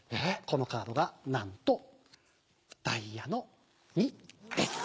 このカードがなんとダイヤの２です。